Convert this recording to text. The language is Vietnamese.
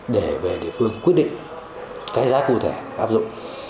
để về địa phương quyết định cái giá cụ thể áp dụng